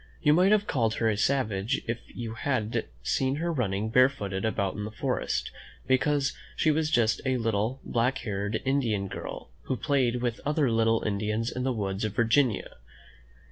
Tou might have called her a savage if you had seen her running barefooted about in the forest, because she was just a little, black haired Indian girl, who played with other little Indians in the woods of Vir ginia.